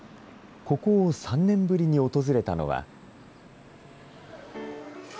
ここを３年ぶりに訪れたのは。